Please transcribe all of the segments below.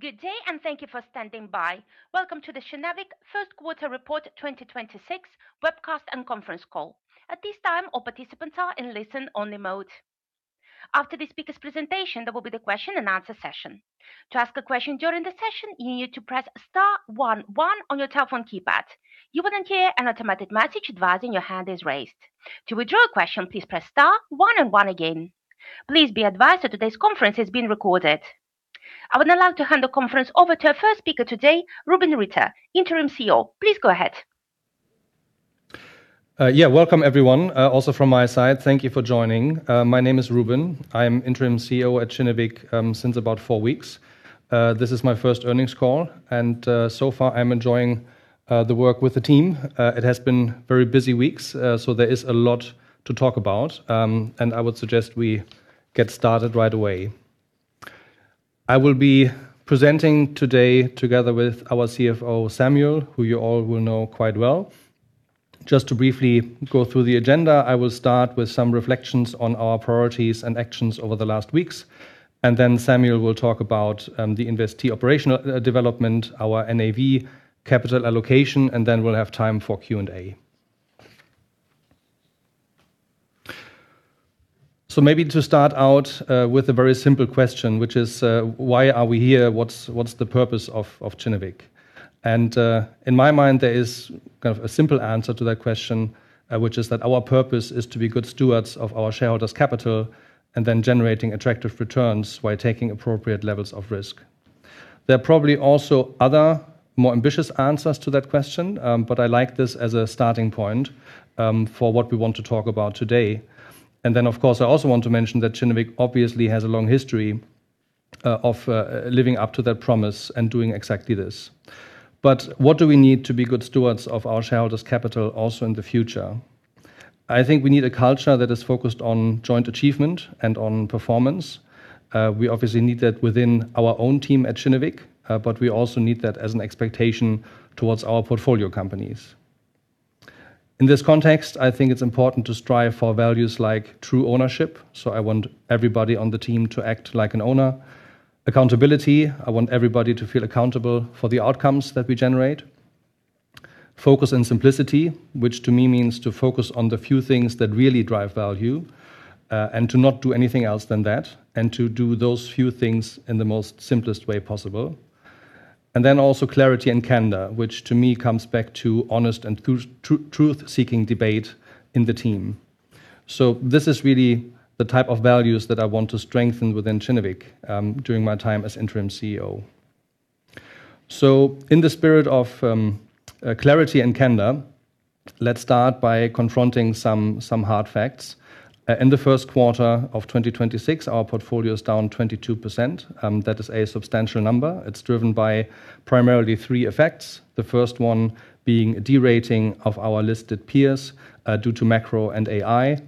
Good day, and thank you for standing by. Welcome to the Kinnevik Q1 Report 2026 Webcast and Conference Call. At this time, all participants are in listen-only mode. After the speakers' presentation, there will be the question and answer session. To ask a question during the session, you need to press star one one on your telephone keypad. You will then hear an automatic message advising your hand is raised. To withdraw your question, please press star one and one again. Please be advised that today's conference is being recorded. I would now like to hand the conference over to our first speaker today, Rubin Ritter, Interim CEO. Please go ahead. Yeah. Welcome, everyone. Also from my side, thank you for joining. My name is Rubin. I am Interim CEO at Kinnevik since about four weeks. This is my first earnings call, and so far I'm enjoying the work with the team. It has been very busy weeks, so there is a lot to talk about. I would suggest we get started right away. I will be presenting today together with our CFO, Samuel, who you all will know quite well. Just to briefly go through the agenda, I will start with some reflections on our priorities and actions over the last weeks. Then Samuel will talk about the investee operational development, our NAV capital allocation, and then we'll have time for Q&A. Maybe to start out with a very simple question, which is why are we here? What's the purpose of Kinnevik? In my mind, there is a simple answer to that question, which is that our purpose is to be good stewards of our shareholders' capital and then generating attractive returns while taking appropriate levels of risk. There are probably also other more ambitious answers to that question, but I like this as a starting point for what we want to talk about today. Of course, I also want to mention that Kinnevik obviously has a long history of living up to that promise and doing exactly this. What do we need to be good stewards of our shareholders' capital also in the future? I think we need a culture that is focused on joint achievement and on performance. We obviously need that within our own team at Kinnevik, but we also need that as an expectation towards our portfolio companies. In this context, I think it's important to strive for values like true ownership. I want everybody on the team to act like an owner. Accountability, I want everybody to feel accountable for the outcomes that we generate. Focus and simplicity, which to me means to focus on the few things that really drive value, and to not do anything else than that, and to do those few things in the most simplest way possible, and then also clarity and candor, which to me comes back to honest and truth-seeking debate in the team. This is really the type of values that I want to strengthen within Kinnevik during my time as Interim CEO. In the spirit of clarity and candor, let's start by confronting some hard facts. In the Q1 of 2026, our portfolio is down 22%, and that is a substantial number. It's driven by primarily three effects, the first one being a de-rating of our listed peers due to macro and AI.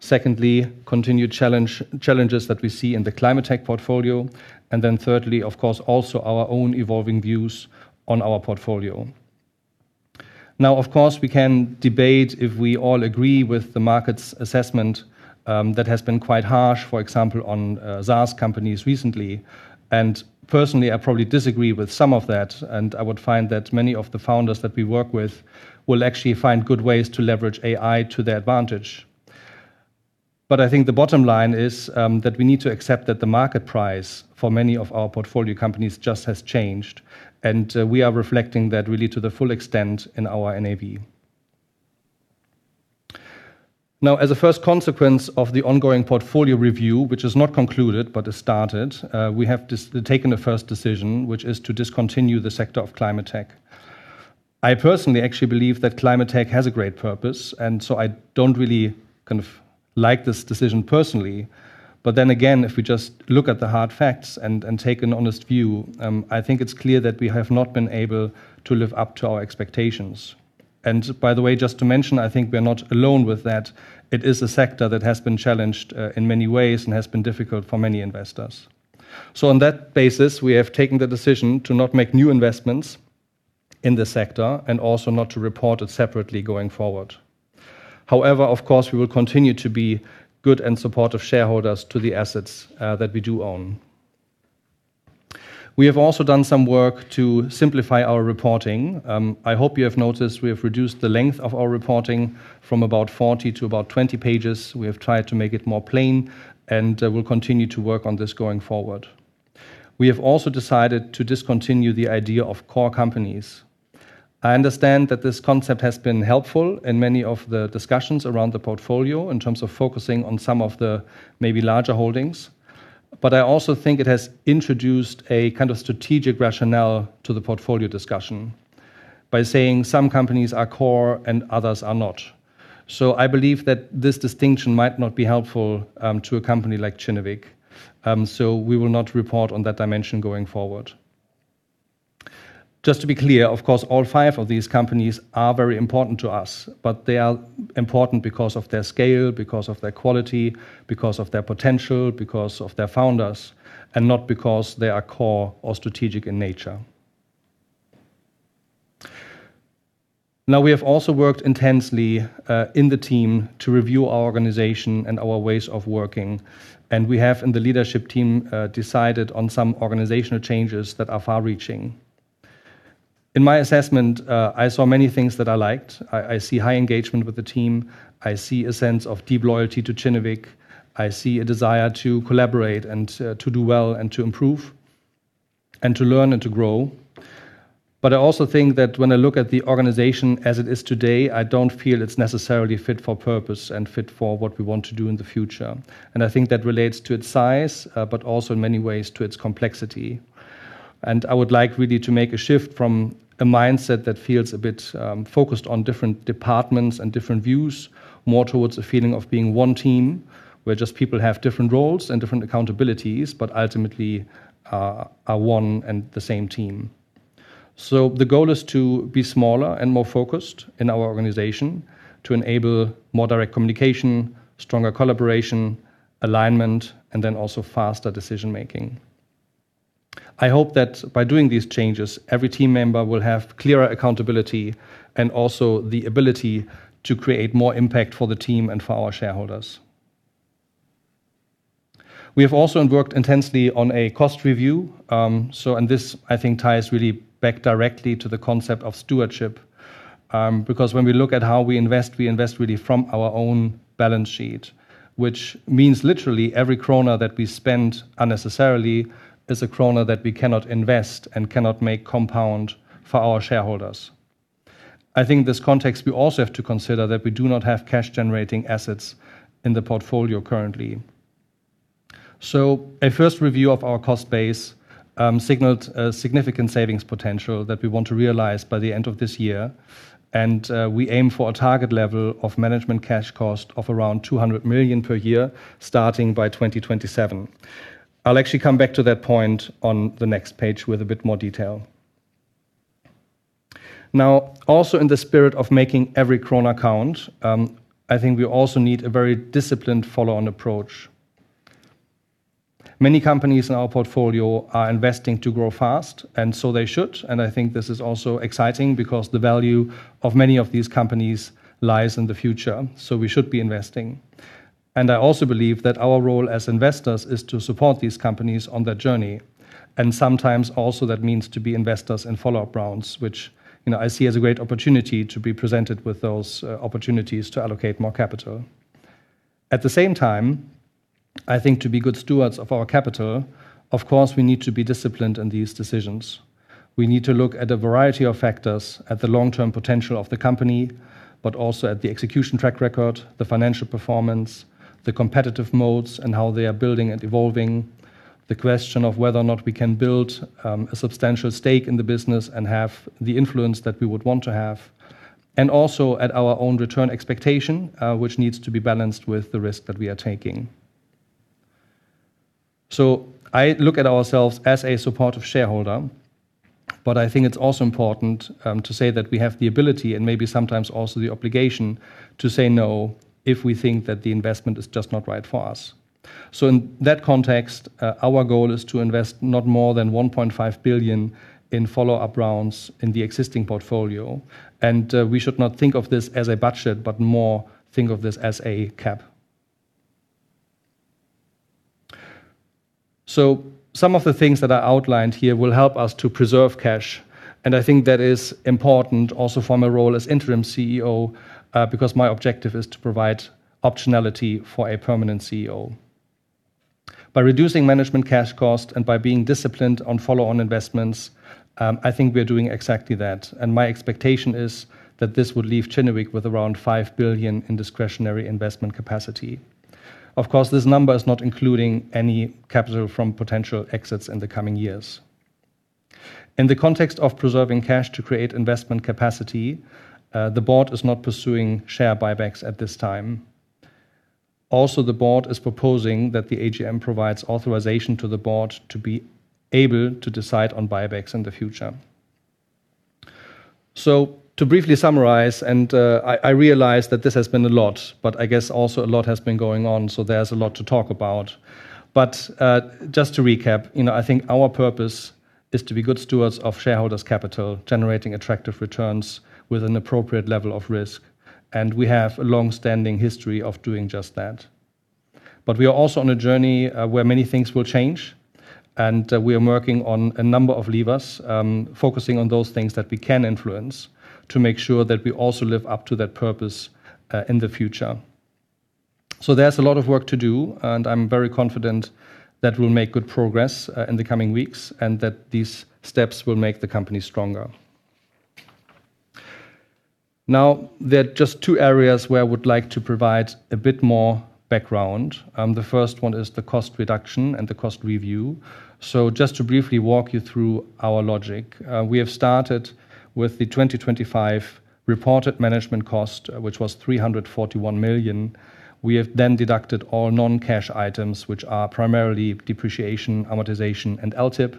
Secondly, continued challenges that we see in the climate tech portfolio, and then thirdly, of course, also our own evolving views on our portfolio. Now, of course, we can debate if we all agree with the market's assessment that has been quite harsh, for example, on SaaS companies recently. Personally, I probably disagree with some of that, and I would find that many of the founders that we work with will actually find good ways to leverage AI to their advantage. I think the bottom line is that we need to accept that the market price for many of our portfolio companies just has changed, and we are reflecting that really to the full extent in our NAV. Now, as a first consequence of the ongoing portfolio review, which is not concluded but has started, we have taken the first decision, which is to discontinue the sector of climate tech. I personally actually believe that climate tech has a great purpose, and so I don't really like this decision personally. If we just look at the hard facts and take an honest view, I think it's clear that we have not been able to live up to our expectations. By the way, just to mention, I think we're not alone with that. It is a sector that has been challenged in many ways and has been difficult for many investors. On that basis, we have taken the decision to not make new investments in the sector and also not to report it separately going forward. However, of course, we will continue to be good and supportive shareholders to the assets that we do own. We have also done some work to simplify our reporting. I hope you have noticed we have reduced the length of our reporting from about 40 pages to about 20 pages. We have tried to make it more plain, and will continue to work on this going forward. We have also decided to discontinue the idea of core companies. I understand that this concept has been helpful in many of the discussions around the portfolio in terms of focusing on some of the maybe larger holdings, but I also think it has introduced a kind of strategic rationale to the portfolio discussion by saying some companies are core and others are not. I believe that this distinction might not be helpful to a company like Kinnevik, so we will not report on that dimension going forward. Just to be clear, of course, all five of these companies are very important to us, but they are important because of their scale, because of their quality, because of their potential, because of their founders, and not because they are core or strategic in nature. Now we have also worked intensely in the team to review our organization and our ways of working, and we have in the leadership team decided on some organizational changes that are far-reaching. In my assessment, I saw many things that I liked. I see high engagement with the team. I see a sense of deep loyalty to Kinnevik. I see a desire to collaborate and to do well and to improve and to learn and to grow. I also think that when I look at the organization as it is today, I don't feel it's necessarily fit for purpose and fit for what we want to do in the future. I think that relates to its size, but also in many ways to its complexity. I would like really to make a shift from a mindset that feels a bit focused on different departments and different views, more towards a feeling of being one team, where just people have different roles and different accountabilities, but ultimately are one and the same team. The goal is to be smaller and more focused in our organization to enable more direct communication, stronger collaboration, alignment, and then also faster decision-making. I hope that by doing these changes, every team member will have clearer accountability and also the ability to create more impact for the team and for our shareholders. We have also worked intensely on a cost review. This I think ties really back directly to the concept of stewardship, because when we look at how we invest, we invest really from our own balance sheet, which means literally every krona that we spend unnecessarily is a krona that we cannot invest and cannot make compound for our shareholders. I think in this context, we also have to consider that we do not have cash-generating assets in the portfolio currently. A first review of our cost base signaled a significant savings potential that we want to realize by the end of this year. We aim for a target level of management cash cost of around 200 million per year, starting by 2027. I'll actually come back to that point on the next page with a bit more detail. Now, also in the spirit of making every krona count, I think we also need a very disciplined follow-on approach. Many companies in our portfolio are investing to grow fast, and so they should, and I think this is also exciting because the value of many of these companies lies in the future, so we should be investing. I also believe that our role as investors is to support these companies on their journey, and sometimes also that means to be investors in follow-up rounds, which I see as a great opportunity to be presented with those opportunities to allocate more capital. At the same time, I think to be good stewards of our capital, of course, we need to be disciplined in these decisions. We need to look at a variety of factors, at the long-term potential of the company, but also at the execution track record, the financial performance, the competitive moats, and how they are building and evolving. The question of whether or not we can build a substantial stake in the business and have the influence that we would want to have, and also at our own return expectation, which needs to be balanced with the risk that we are taking. I look at ourselves as a supportive shareholder, but I think it's also important to say that we have the ability and maybe sometimes also the obligation to say no if we think that the investment is just not right for us.In that context, our goal is to invest not more than 1.5 billion in follow-up rounds in the existing portfolio, and we should not think of this as a budget, but more think of this as a cap. Some of the things that I outlined here will help us to preserve cash, and I think that is important also for my role as Interim CEO, because my objective is to provide optionality for a permanent CEO. By reducing management cash cost and by being disciplined on follow-on investments, I think we are doing exactly that. My expectation is that this would leave Kinnevik with around 5 billion in discretionary investment capacity. Of course, this number is not including any capital from potential exits in the coming years. In the context of preserving cash to create investment capacity, the board is not pursuing share buybacks at this time. The board is proposing that the AGM provides authorization to the board to be able to decide on buybacks in the future. To briefly summarize, and I realize that this has been a lot, but I guess also a lot has been going on, so there's a lot to talk about. Just to recap, I think our purpose is to be good stewards of shareholders' capital, generating attractive returns with an appropriate level of risk. We have a long-standing history of doing just that. We are also on a journey where many things will change, and we are working on a number of levers, focusing on those things that we can influence to make sure that we also live up to that purpose in the future. There's a lot of work to do, and I'm very confident that we'll make good progress in the coming weeks and that these steps will make the company stronger. Now, there are just two areas where I would like to provide a bit more background. The first one is the cost reduction and the cost review. Just to briefly walk you through our logic, we have started with the 2025 reported management cost, which was 341 million. We have then deducted all non-cash items, which are primarily depreciation, amortization, and LTIP,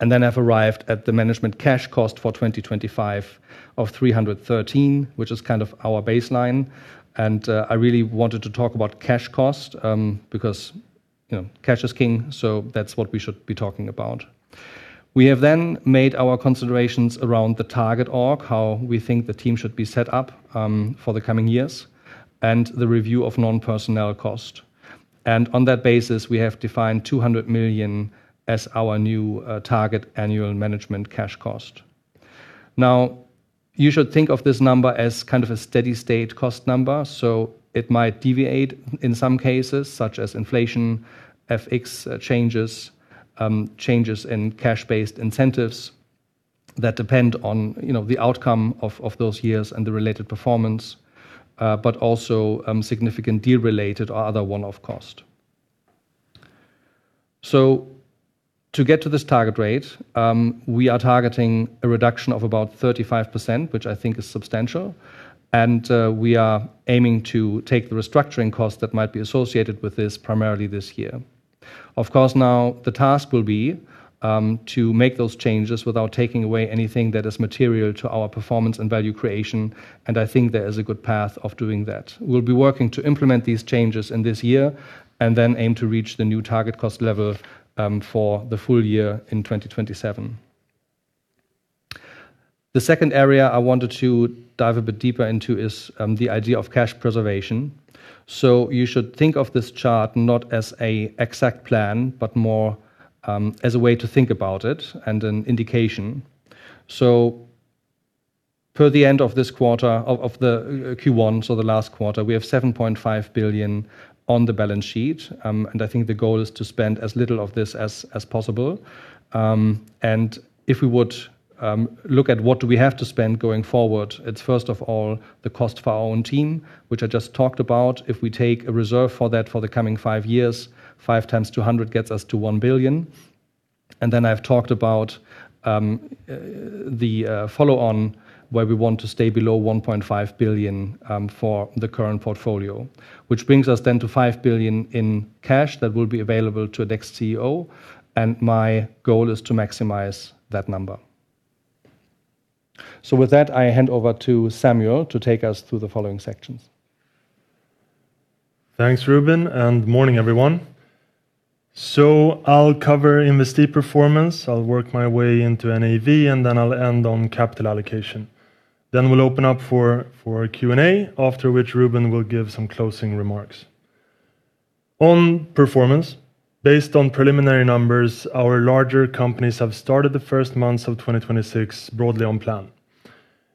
and then have arrived at the management cash cost for 2025 of 313 million, which is kind of our baseline. I really wanted to talk about cash cost because you know cash is king, so that's what we should be talking about. We have then made our considerations around the target org, how we think the team should be set up for the coming years, and the review of non-personnel cost. On that basis, we have defined 200 million as our new target annual management cash cost. Now, you should think of this number as kind of a steady state cost number, so it might deviate in some cases, such as inflation, FX changes in cash-based incentives that depend on the outcome of those years and the related performance, but also, significant deal-related or other one-off cost. To get to this target rate, we are targeting a reduction of about 35%, which I think is substantial, and we are aiming to take the restructuring cost that might be associated with this primarily this year. Of course, now the task will be to make those changes without taking away anything that is material to our performance and value creation, and I think there is a good path of doing that. We'll be working to implement these changes in this year and then aim to reach the new target cost level for the full-year in 2027. The second area I wanted to dive a bit deeper into is the idea of cash preservation. You should think of this chart not as an exact plan, but more as a way to think about it and an indication. Per the end of this quarter, of the Q1, so the last quarter, we have 7.5 billion on the balance sheet, and I think the goal is to spend as little of this as possible. If we would look at what do we have to spend going forward, it's first of all the cost for our own team, which I just talked about. If we take a reserve for that for the coming five years, 5.0x 200 gets us to 1 billion. Then I've talked about the follow-on where we want to stay below 1.5 billion for the current portfolio. Which brings us then to 5 billion in cash that will be available to the next CEO, and my goal is to maximize that number. With that, I hand over to Samuel to take us through the following sections. Thanks, Rubin, and morning, everyone. I'll cover investee performance. I'll work my way into NAV, and then I'll end on capital allocation. We'll open up for Q&A, after which Rubin will give some closing remarks. On performance, based on preliminary numbers, our larger companies have started the first months of 2026 broadly on plan.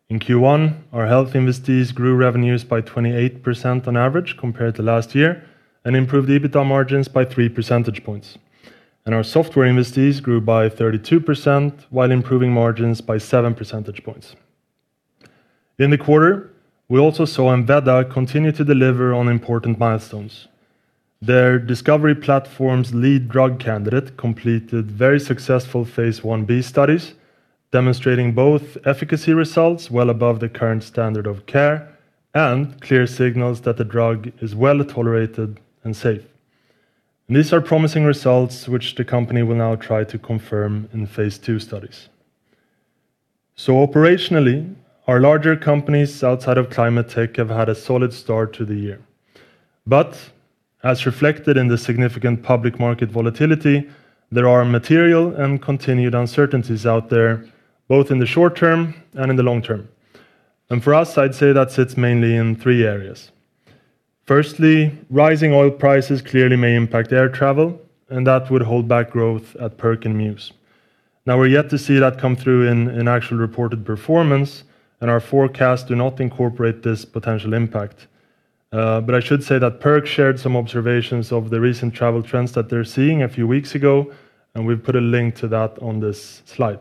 In Q1, our health investees grew revenues by 28% on average compared to last year and improved EBITDA margins by 3 percentage points. Our software investees grew by 32% while improving margins by 7 percentage points. In the quarter, we also saw Enveda continue to deliver on important milestones. Their discovery platform's lead drug candidate completed very successful Phase I-B studies, demonstrating both efficacy results well above the current standard of care and clear signals that the drug is well-tolerated and safe. These are promising results which the company will now try to confirm in Phase II studies. Operationally, our larger companies outside of climate tech have had a solid start to the year. As reflected in the significant public market volatility, there are material and continued uncertainties out there, both in the short term and in the long term. For us, I'd say that sits mainly in three areas. Firstly, rising oil prices clearly may impact air travel, and that would hold back growth at TravelPerk and Mews. Now we're yet to see that come through in actual reported performance, and our forecasts do not incorporate this potential impact. I should say that TravelPerk shared some observations of the recent travel trends that they're seeing a few weeks ago, and we've put a link to that on this slide.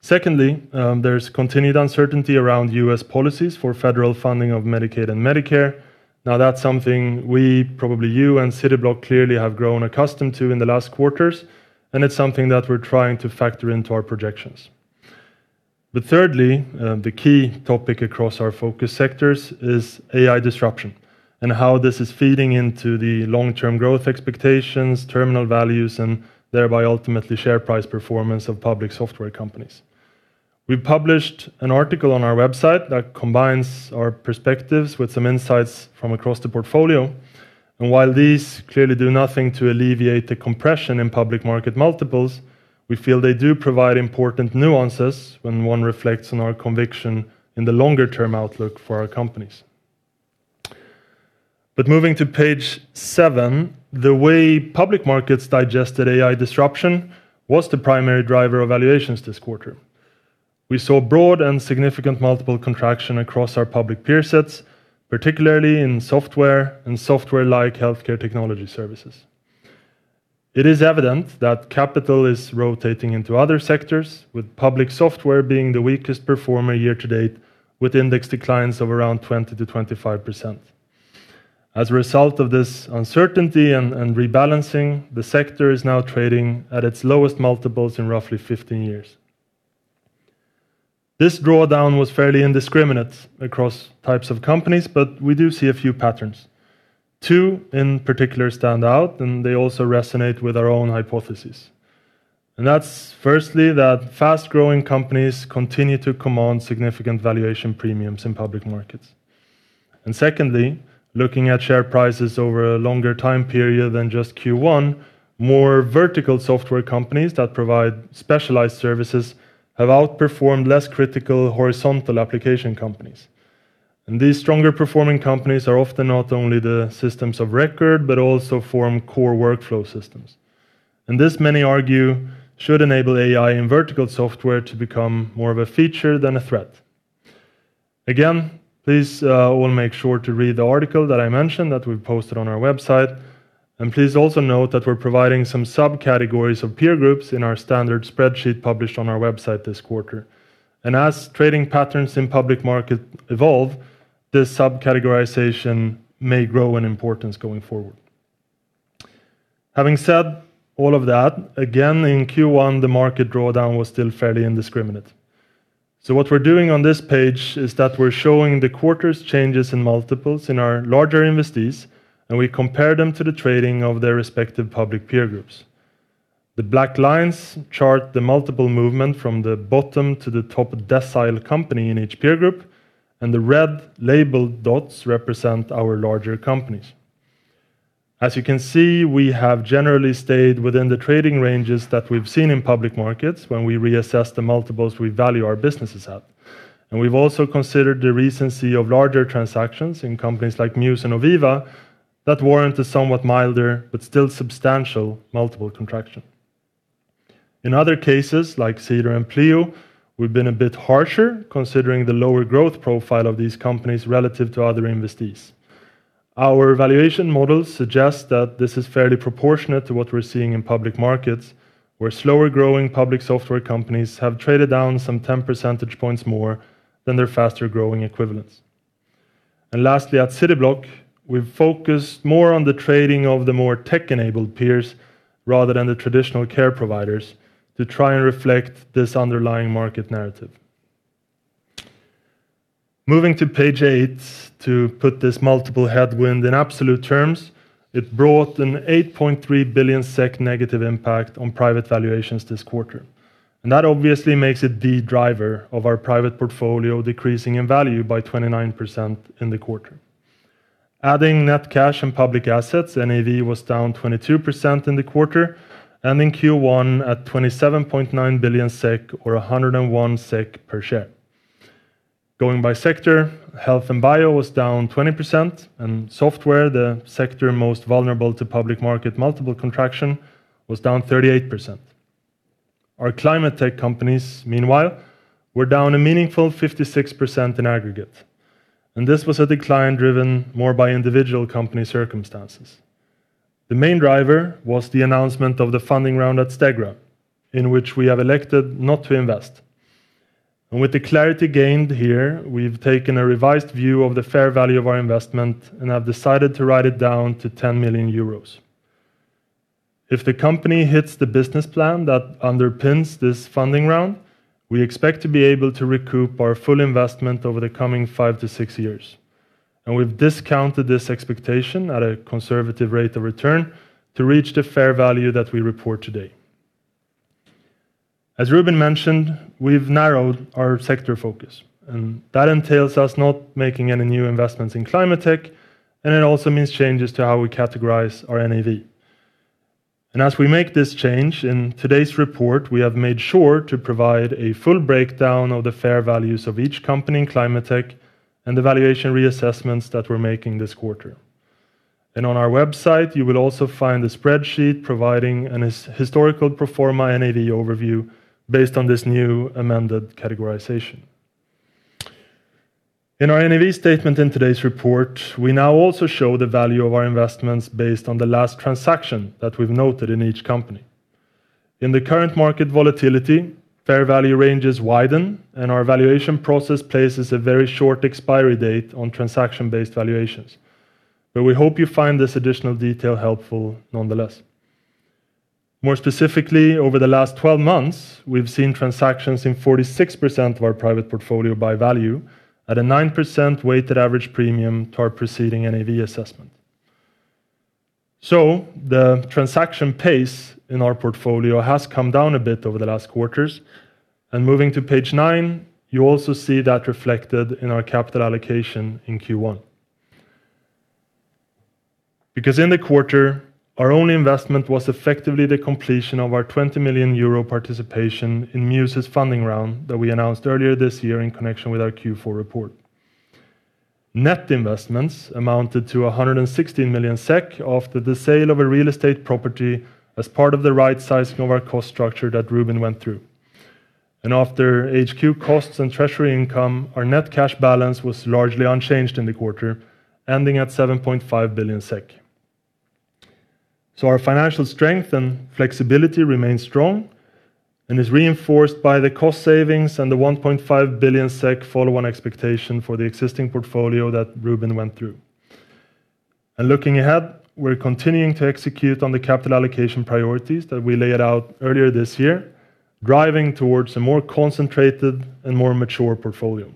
Secondly, there's continued uncertainty around U.S. policies for federal funding of Medicaid and Medicare. Now that's something we, probably you, and Cityblock clearly have grown accustomed to in the last quarters, and it's something that we're trying to factor into our projections. Thirdly, the key topic across our focus sectors is AI disruption and how this is feeding into the long-term growth expectations, terminal values, and thereby ultimately share price performance of public software companies. We published an article on our website that combines our perspectives with some insights from across the portfolio, and while these clearly do nothing to alleviate the compression in public market multiples, we feel they do provide important nuances when one reflects on our conviction in the longer term outlook for our companies. Moving to Page 7, the way public markets digested AI disruption was the primary driver of valuations this quarter. We saw broad and significant multiple contraction across our public peer sets, particularly in software and software-like healthcare technology services. It is evident that capital is rotating into other sectors, with public software being the weakest performer year to date, with index declines of around 20%-25%. As a result of this uncertainty and rebalancing, the sector is now trading at its lowest multiples in roughly 15 years. This drawdown was fairly indiscriminate across types of companies, but we do see a few patterns. Two in particular stand out, and they also resonate with our own hypothesis. That's firstly that fast-growing companies continue to command significant valuation premiums in public markets. Secondly, looking at share prices over a longer time period than just Q1, more vertical software companies that provide specialized services have outperformed less critical horizontal application companies. These stronger performing companies are often not only the systems of record, but also form core workflow systems. This, many argue, should enable AI and vertical software to become more of a feature than a threat. Again, please all make sure to read the article that I mentioned that we've posted on our website, and please also note that we're providing some subcategories of peer groups in our standard spreadsheet published on our website this quarter. As trading patterns in public market evolve, this subcategorization may grow in importance going forward. Having said all of that, again, in Q1, the market drawdown was still fairly indiscriminate. What we're doing on this page is that we're showing the quarter's changes in multiples in our larger investees, and we compare them to the trading of their respective public peer groups. The black lines chart the multiple movement from the bottom to the top decile company in each peer group, and the red labeled dots represent our larger companies. As you can see, we have generally stayed within the trading ranges that we've seen in public markets when we reassess the multiples we value our businesses at. We've also considered the recency of larger transactions in companies like Mews and Oviva that warrant a somewhat milder but still substantial multiple contraction. In other cases like Cedar and Pleo, we've been a bit harsher considering the lower growth profile of these companies relative to other investees. Our valuation models suggest that this is fairly proportionate to what we're seeing in public markets, where slower growing public software companies have traded down some 10 percentage points more than their faster-growing equivalents. Lastly, at Cityblock, we've focused more on the trading of the more tech-enabled peers rather than the traditional care providers to try and reflect this underlying market narrative. Moving to page eight, to put this multiple headwind in absolute terms, it brought a 8.3 billion SEK negative impact on private valuations this quarter. That obviously makes it the driver of our private portfolio decreasing in value by 29% in the quarter. Adding net cash and public assets, NAV was down 22% in the quarter, ending Q1 at 27.9 billion SEK or 101 SEK per share. Going by sector, health and bio was down 20% and software, the sector most vulnerable to public market multiple contraction, was down 38%. Our climate tech companies, meanwhile, were down a meaningful 56% in aggregate, and this was a decline driven more by individual company circumstances. The main driver was the announcement of the funding round at Stegra, in which we have elected not to invest. With the clarity gained here, we've taken a revised view of the fair value of our investment and have decided to write it down to 10 million euros. If the company hits the business plan that underpins this funding round, we expect to be able to recoup our full investment over the coming five to six years, and we've discounted this expectation at a conservative rate of return to reach the fair value that we report today. As Rubin mentioned, we've narrowed our sector focus, and that entails us not making any new investments in climate tech, and it also means changes to how we categorize our NAV. As we make this change in today's report, we have made sure to provide a full breakdown of the fair values of each company in climate tech and the valuation reassessments that we're making this quarter. On our website, you will also find a spreadsheet providing an historical pro forma NAV overview based on this new amended categorization. In our NAV statement in today's report, we now also show the value of our investments based on the last transaction that we've noted in each company. In the current market volatility, fair value ranges widen and our valuation process places a very short expiry date on transaction-based valuations. We hope you find this additional detail helpful nonetheless. More specifically, over the last 12 months, we've seen transactions in 46% of our private portfolio by value at a 9% weighted average premium to our preceding NAV assessment. The transaction pace in our portfolio has come down a bit over the last quarters. Moving to Page 9, you also see that reflected in our capital allocation in Q1. Because in the quarter, our own investment was effectively the completion of our 20 million euro participation in Mews's funding round that we announced earlier this year in connection with our Q4 report. Net investments amounted to 116 million SEK after the sale of a real estate property as part of the right sizing of our cost structure that Rubin went through. After HQ costs and treasury income, our net cash balance was largely unchanged in the quarter, ending at 7.5 billion SEK. Our financial strength and flexibility remains strong and is reinforced by the cost savings and the 1.5 billion SEK follow-on expectation for the existing portfolio that Rubin went through. Looking ahead, we're continuing to execute on the capital allocation priorities that we laid out earlier this year, driving towards a more concentrated and more mature portfolio.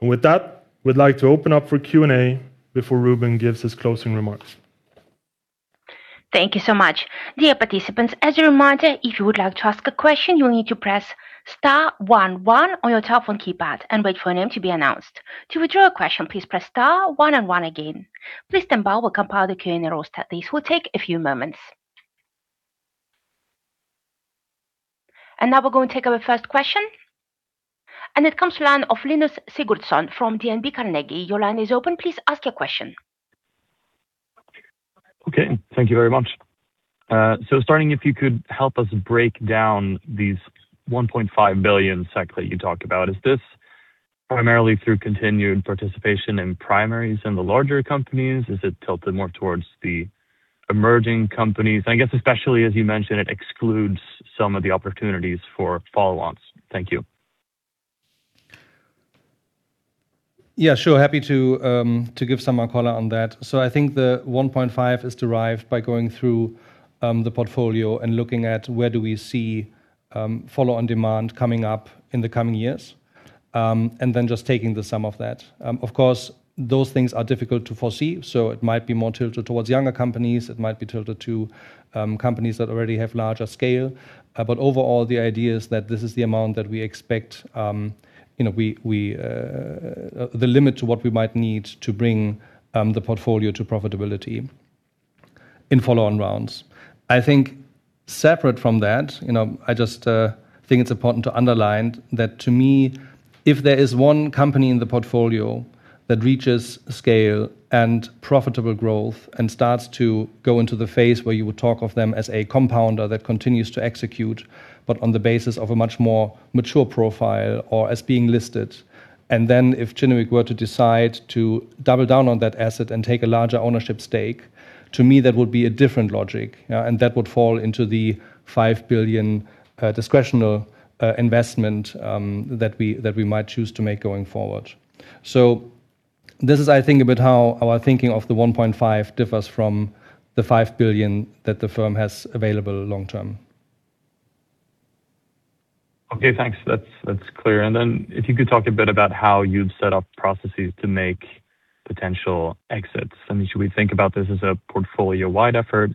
With that, we'd like to open up for Q&A before Rubin gives his closing remarks. Thank you so much. Dear participants, as a reminder, if you would like to ask a question, you'll need to press star one one on your telephone keypad and wait for your name to be announced. To withdraw your question, please press star one and one again. Please stand by while we compile the Q&A roster. This will take a few moments. Now we're going to take our first question, and it comes from the line of Linus Sigurdsson from DNB Carnegie. Your line is open. Please ask your question. Okay. Thank you very much. Starting if you could help us break down these 1.5 billion SEK that you talked about. Is this primarily through continued participation in primaries in the larger companies? Is it tilted more towards the emerging companies? I guess, especially as you mentioned, it excludes some of the opportunities for follow-ons. Thank you. Yeah, sure. Happy to give some more color on that. I think the 1.5 is derived by going through the portfolio and looking at where do we see follow on demand coming up in the coming years, and then just taking the sum of that. Of course, those things are difficult to foresee. It might be more tilted towards younger companies. It might be tilted to companies that already have larger scale. Overall, the idea is that this is the amount that we expect, the limit to what we might need to bring the portfolio to profitability in follow-on rounds. I think separate from that, I just think it's important to underline that to me, if there is one company in the portfolio that reaches scale and profitable growth and starts to go into the phase where you would talk of them as a compounder that continues to execute but on the basis of a much more mature profile or as being listed. Then if Kinnevik were to decide to double down on that asset and take a larger ownership stake, to me that would be a different logic. That would fall into the 5 billion discretionary investment that we might choose to make going forward. This is a bit how our thinking of the 1.5 billion differs from the 5 billion that the firm has available long term. Okay, thanks. That's clear. If you could talk a bit about how you've set up processes to make potential exits. I mean, should we think about this as a portfolio-wide effort?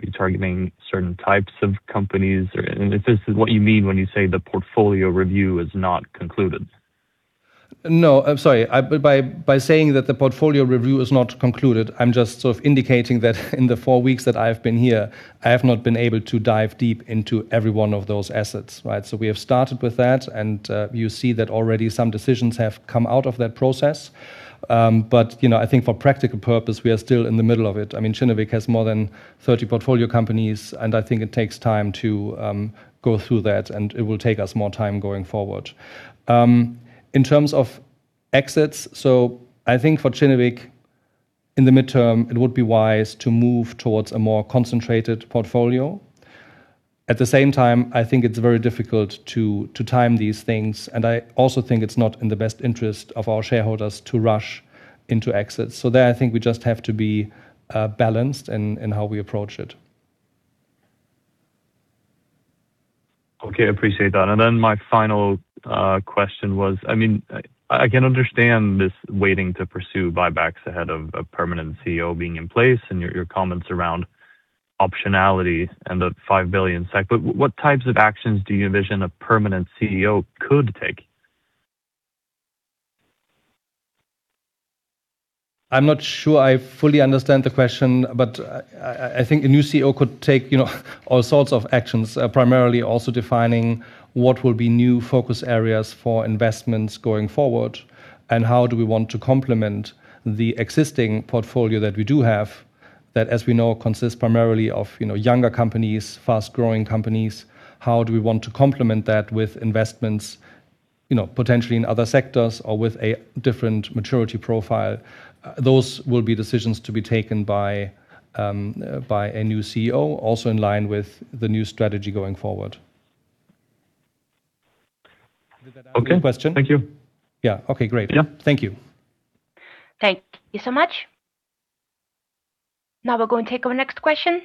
Are you targeting certain types of companies? If this is what you mean when you say the portfolio review is not concluded? No, I'm sorry. By saying that the portfolio review is not concluded, I'm just sort of indicating that in the four weeks that I've been here, I have not been able to dive deep into every one of those assets, right? We have started with that, and you see that already some decisions have come out of that process. I think for practical purpose, we are still in the middle of it. Kinnevik has more than 30 portfolio companies, and I think it takes time to go through that, and it will take us more time going forward. In terms of exits, I think for Kinnevik in the midterm, it would be wise to move towards a more concentrated portfolio. At the same time, I think it's very difficult to time these things, and I also think it's not in the best interest of our shareholders to rush into exits. There, I think we just have to be balanced in how we approach it. Okay, I appreciate that. My final question was, I can understand this waiting to pursue buybacks ahead of a permanent CEO being in place and your comments around optionality and the 5 billion SEK, but what types of actions do you envision a permanent CEO could take? I'm not sure I fully understand the question, but I think a new CEO could take all sorts of actions, primarily also defining what will be new focus areas for investments going forward and how do we want to complement the existing portfolio that we do have that, as we know, consists primarily of younger companies, fast-growing companies. How do we want to complement that with investments potentially in other sectors or with a different maturity profile? Those will be decisions to be taken by a new CEO also in line with the new strategy going forward. Did that answer your question? Okay. Thank you. Yeah. Okay, great. Yeah. Thank you. Thank you so much. Now we're going to take our next question.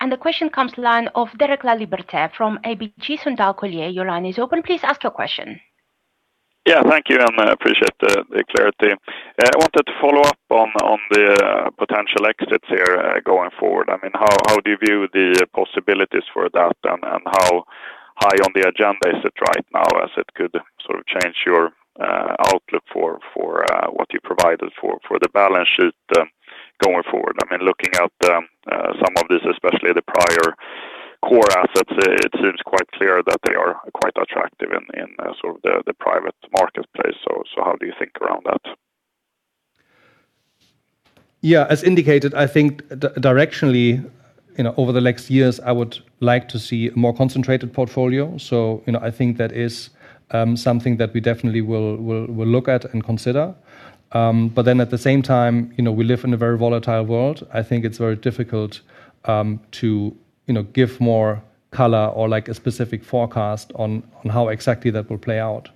The question comes from the line of Derek Laliberté from ABG Sundal Collier. Your line is open. Please ask your question. Yeah, thank you, and I appreciate the clarity. I wanted to follow up on the potential exits here going forward. How do you view the possibilities for that and how high on the agenda is it right now as it could sort of change your outlook for what you provided for the balance sheet going forward? Looking at some of this, especially the prior core assets, it seems quite clear that they are quite attractive in sort of the private marketplace. How do you think around that? Yeah. As indicated, I think directionally over the next years I would like to see a more concentrated portfolio. I think that is something that we definitely will look at and consider. At the same time we live in a very volatile world. I think it's very difficult to give more color or a specific forecast on how exactly that will play out.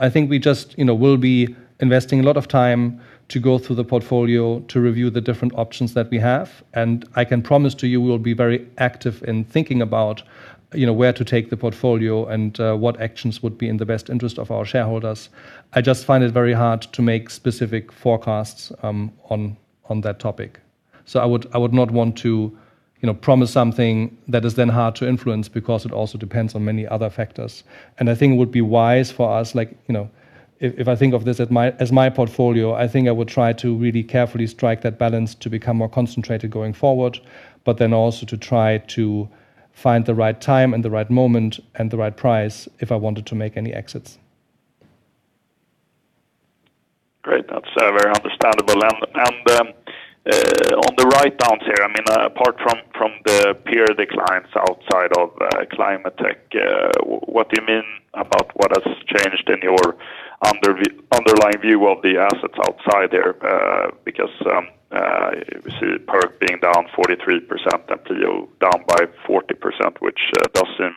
I think we just will be investing a lot of time to go through the portfolio to review the different options that we have. I can promise to you we'll be very active in thinking about where to take the portfolio and what actions would be in the best interest of our shareholders. I just find it very hard to make specific forecasts on that topic. I would not want to, promise something that is then hard to influence because it also depends on many other factors. I think it would be wise for us, if I think of this as my portfolio, I think I would try to really carefully strike that balance to become more concentrated going forward, but then also to try to find the right time and the right moment and the right price if I wanted to make any exits. Great. That's very understandable. On the write-downs here, apart from the peer declines outside of climate tech, what do you mean about what has changed in your underlying view of the assets outside there? Because we see TravelPerk being down 43% and Pleo down by 40%, which does seem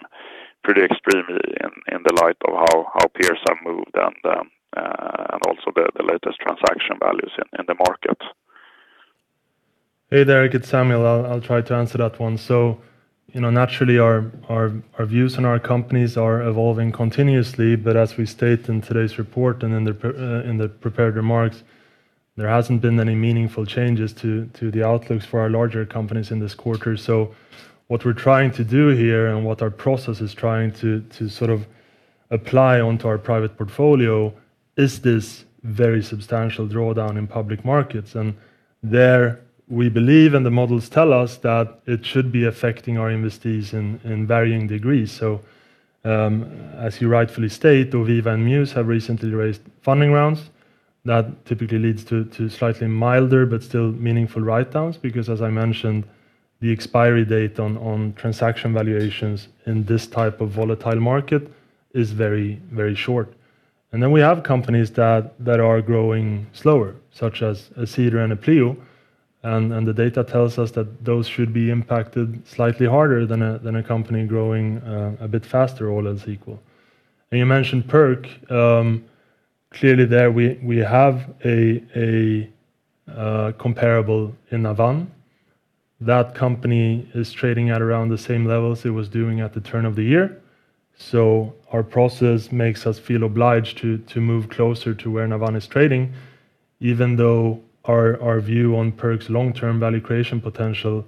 pretty extreme in the light of how peers have moved and also the latest transaction values in the market. Hey there, it's Samuel. I'll try to answer that one. Naturally, our views in our companies are evolving continuously, but as we state in today's report and in the prepared remarks, there hasn't been any meaningful changes to the outlooks for our larger companies in this quarter. What we're trying to do here and what our process is trying to sort of apply onto our private portfolio is this very substantial drawdown in public markets. There we believe, and the models tell us, that it should be affecting our investees in varying degrees. As you rightfully state, Oviva and Mews have recently raised funding rounds. That typically leads to slightly milder but still meaningful write-downs, because as I mentioned, the expiry date on transaction valuations in this type of volatile market is very short. Then we have companies that are growing slower, such as Cedar and Pleo, and the data tells us that those should be impacted slightly harder than a company growing a bit faster, all else equal. You mentioned TravelPerk. Clearly there, we have a comparable in Navan. That company is trading at around the same levels it was doing at the turn of the year. Our process makes us feel obliged to move closer to where Navan is trading, even though our view on TravelPerk's long-term value creation potential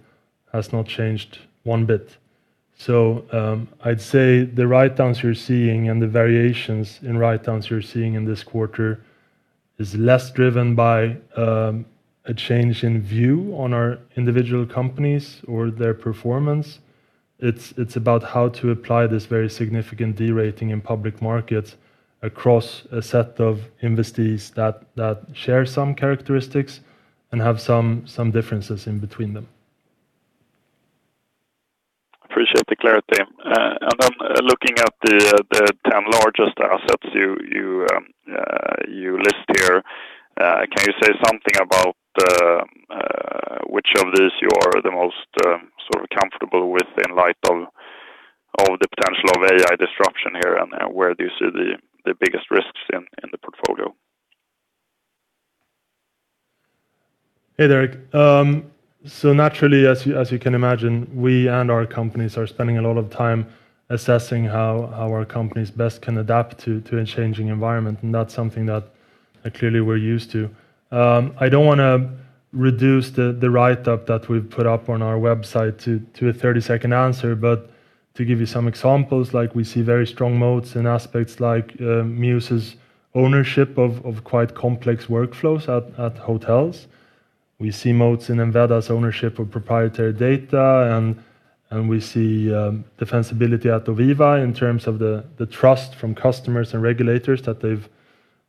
has not changed one bit. I'd say the write-downs you're seeing and the variations in write-downs you're seeing in this quarter is less driven by a change in view on our individual companies or their performance. It's about how to apply this very significant de-rating in public markets across a set of investees that share some characteristics and have some differences in between them. Appreciate the clarity. Looking at the 10 largest assets you list here, can you say something about which of these you are the most sort of comfortable with in light of the potential of AI disruption here, and where do you see the biggest risks in the portfolio? Hey, Derek. Naturally, as you can imagine, we and our companies are spending a lot of time assessing how our companies best can adapt to a changing environment, and that's something that clearly we're used to. I don't want to reduce the write-up that we've put up on our website to a 30-second answer, but to give you some examples, we see very strong moats in aspects like Mews's ownership of quite complex workflows at hotels. We see moats in Enveda's ownership of proprietary data, and we see defensibility at Oviva in terms of the trust from customers and regulators that they've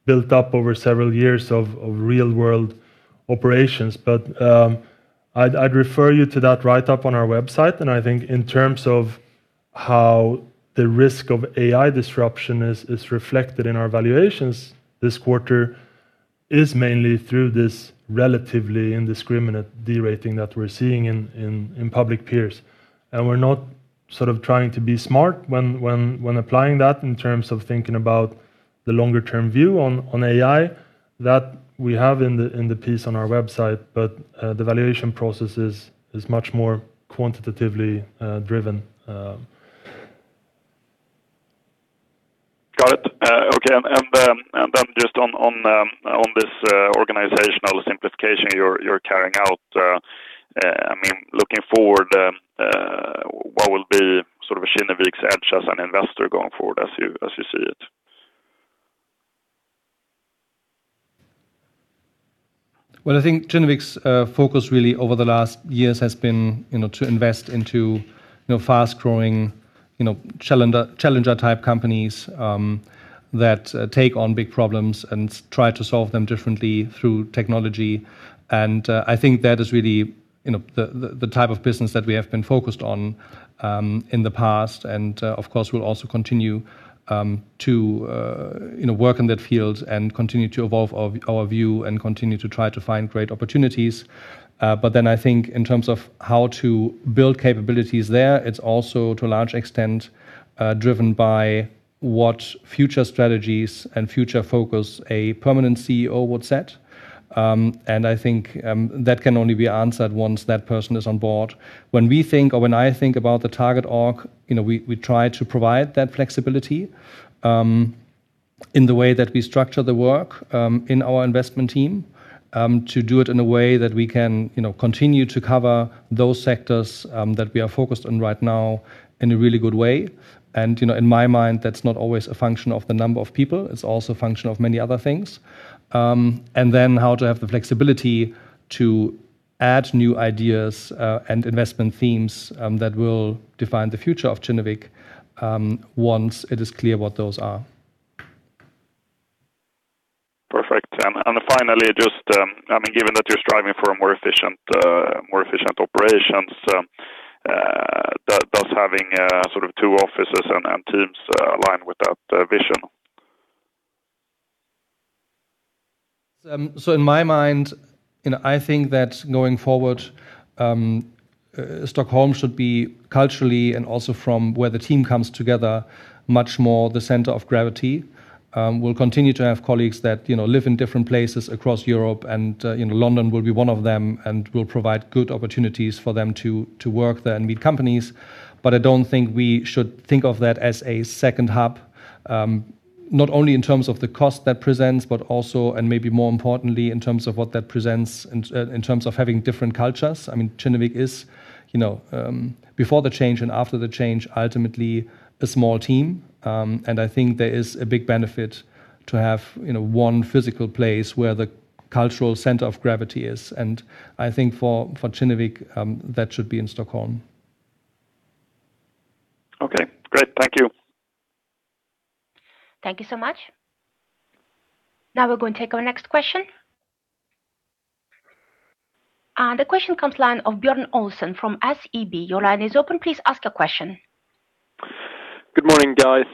built up over several years of real-world operations. I'd refer you to that write-up on our website, and I think in terms of how the risk of AI disruption is reflected in our valuations this quarter is mainly through this relatively indiscriminate de-rating that we're seeing in public peers. We're not trying to be smart when applying that in terms of thinking about the longer-term view on AI that we have in the piece on our website. The valuation process is much more quantitatively driven. Got it. Okay, just on this organizational simplification you're carrying out, looking forward, what will be Kinnevik's edge as an investor going forward as you see it? Well, I think Kinnevik's focus really over the last years has been to invest into fast-growing challenger-type companies that take on big problems and try to solve them differently through technology. I think that is really the type of business that we have been focused on in the past. Of course, we'll also continue to work in that field and continue to evolve our view and continue to try to find great opportunities. Then I think in terms of how to build capabilities there, it's also to a large extent, driven by what future strategies and future focus a permanent CEO would set. I think that can only be answered once that person is on board. When we think or when I think about the target org, we try to provide that flexibility. In the way that we structure the work in our investment team to do it in a way that we can continue to cover those sectors that we are focused on right now in a really good way. In my mind, that's not always a function of the number of people, it's also a function of many other things. Then how to have the flexibility to add new ideas and investment themes that will define the future of Kinnevik once it is clear what those are. Perfect. Finally, just given that you're striving for a more efficient operations, does having two offices and teams align with that vision? In my mind, I think that going forward, Stockholm should be culturally and also from where the team comes together much more the center of gravity. We'll continue to have colleagues that live in different places across Europe and London will be one of them, and we'll provide good opportunities for them to work there and meet companies. But I don't think we should think of that as a second hub, not only in terms of the cost that presents, but also, and maybe more importantly, in terms of what that presents in terms of having different cultures. Kinnevik is, before the change and after the change, ultimately a small team. And I think there is a big benefit to have one physical place where the cultural center of gravity is. And I think for Kinnevik, that should be in Stockholm. Okay, great. Thank you. Thank you so much. Now we're going to take our next question. The question comes from the line of Björn Olsson from SEB. Your line is open. Please ask your question. Good morning, guys.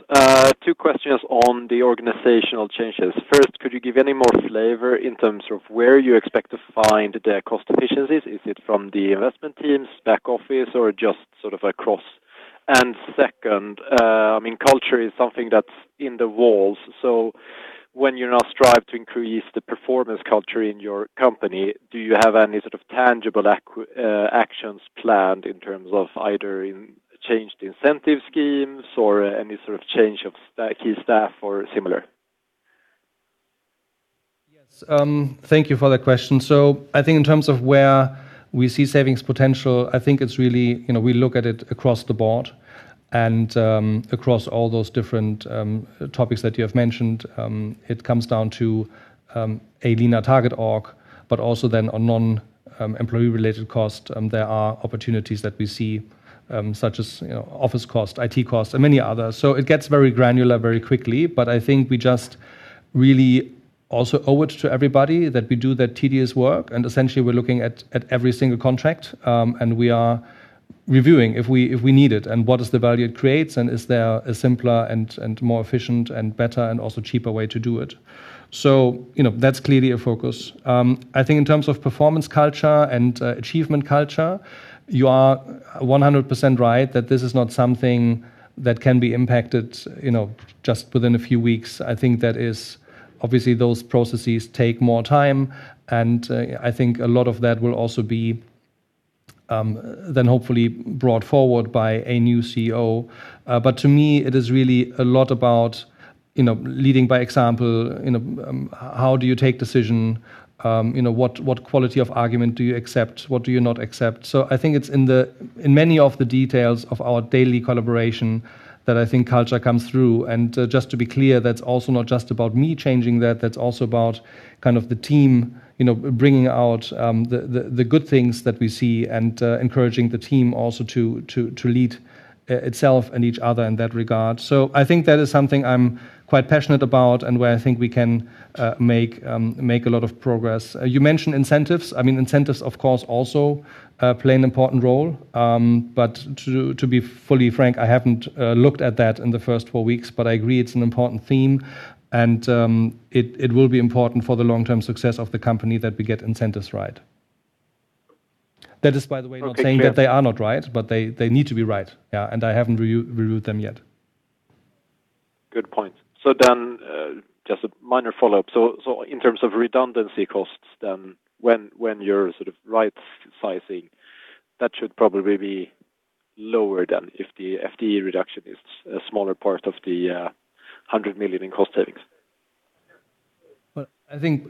Two questions on the organizational changes. First, could you give any more flavor in terms of where you expect to find the cost efficiencies? Is it from the investment teams, back office, or just sort of across? Second, culture is something that's in the walls, so when you now strive to increase the performance culture in your company, do you have any sort of tangible actions planned in terms of either in changed incentive schemes or any sort of change of key staff or similar? Yes. Thank you for that question. I think in terms of where we see savings potential, I think it's really we look at it across the board and across all those different topics that you have mentioned. It comes down to a leaner target org, but also then on non-employee related cost, there are opportunities that we see such as office cost, IT cost, and many others. It gets very granular very quickly. I think we just really also owe it to everybody that we do that tedious work, and essentially we're looking at every single contract. We are reviewing if we need it and what is the value it creates and is there a simpler and more efficient and better and also cheaper way to do it. That's clearly a focus. I think in terms of performance culture and achievement culture, you are 100% right that this is not something that can be impacted just within a few weeks. I think that is obviously those processes take more time, and I think a lot of that will also be then hopefully brought forward by a new CEO. To me, it is really a lot about leading by example, how do you take decision, what quality of argument do you accept? What do you not accept? I think it's in many of the details of our daily collaboration that I think culture comes through. Just to be clear, that's also not just about me changing that's also about kind of the team bringing out the good things that we see and encouraging the team also to lead itself and each other in that regard. I think that is something I'm quite passionate about and where I think we can make a lot of progress. You mentioned incentives. Incentives of course also play an important role. To be fully frank, I haven't looked at that in the first four weeks, but I agree it's an important theme, and it will be important for the long-term success of the company that we get incentives right. That is, by the way, not saying that they are not right. Okay, clear. They need to be right. Yeah. I haven't reviewed them yet. Good point. Just a minor follow-up. In terms of redundancy costs then, when you're right sizing, that should probably be lower than if the FTE reduction is a smaller part of the 100 million in cost savings. I think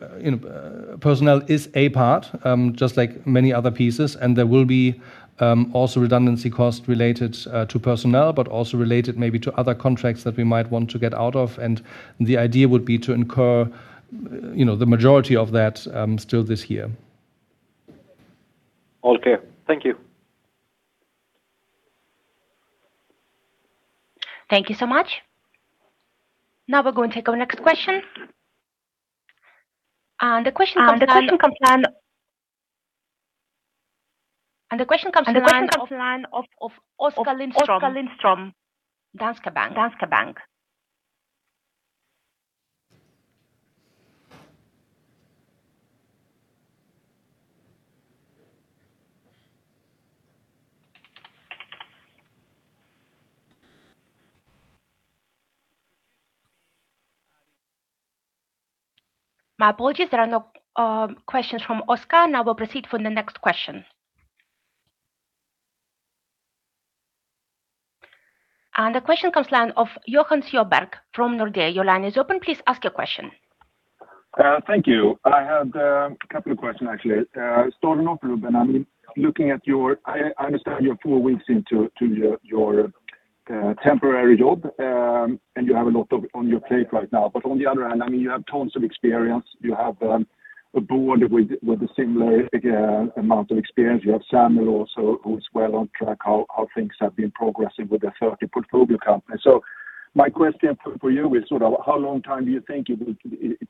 personnel is a part, just like many other pieces, and there will be also redundancy cost related to personnel, but also related maybe to other contracts that we might want to get out of, and the idea would be to incur the majority of that still this year. All clear. Thank you. Thank you so much. Now we're going to take our next question. The question comes from the line of Oskar Lindström from Danske Bank. My apologies, there are no questions from Oskar. Now we'll proceed to the next question. The question comes from the line of Johan Sjöberg from Nordea. Your line is open. Please ask your question. Thank you. I had a couple of questions actually. Starting off, Rubin, I understand you're four weeks into your temporary job, and you have a lot on your plate right now. But on the other hand, you have tons of experience. You have a board with a similar amount of experience. You have Samuel also, who's well on track how things have been progressing with the 30 portfolio companies. So my question for you is how long time do you think it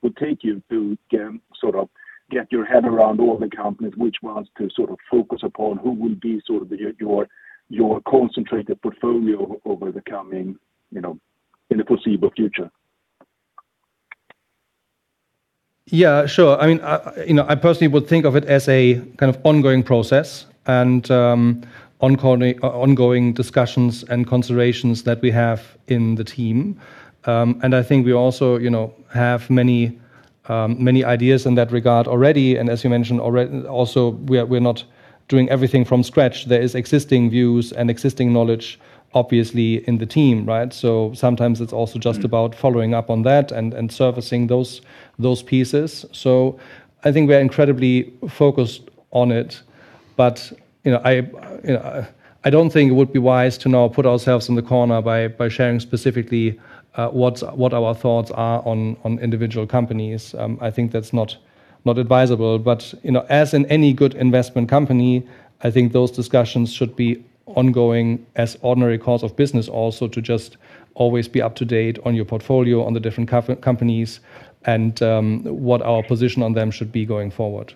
will take you to get your head around all the companies, which ones to focus upon, who will be your concentrated portfolio over the coming in the foreseeable future? Yeah, sure. I personally would think of it as a kind of ongoing process and ongoing discussions and considerations that we have in the team. I think we also have many ideas in that regard already. As you mentioned, also, we're not doing everything from scratch. There is existing views and existing knowledge, obviously, in the team, right? Sometimes it's also just about following up on that and surfacing those pieces. I think we are incredibly focused on it. I don't think it would be wise to now put ourselves in the corner by sharing specifically what our thoughts are on individual companies. I think that's not advisable. As in any good investment company, I think those discussions should be ongoing as ordinary course of business also to just always be up to date on your portfolio, on the different companies, and what our position on them should be going forward.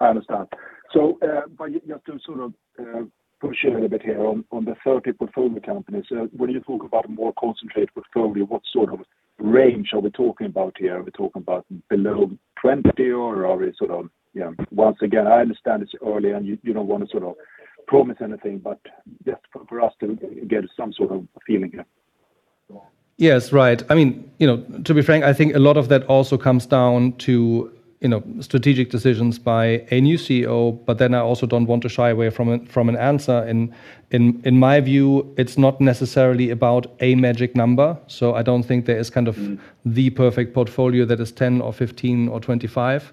I understand. Just to push it a little bit here on the 30 portfolio companies, when you talk about a more concentrated portfolio, what sort of range are we talking about here? Are we talking about below 20? Once again, I understand it's early and you don't want to promise anything, but just for us to get some sort of feeling here. Yes, right. To be frank, I think a lot of that also comes down to strategic decisions by a new CEO, but then I also don't want to shy away from an answer. In my view, it's not necessarily about a magic number. I don't think there is kind of the perfect portfolio that is 10 or 15 or 25.